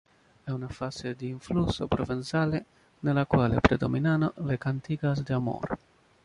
È una fase di influsso provenzale, nella quale predominano le "cantigas de amor".